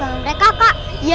ini yang meng url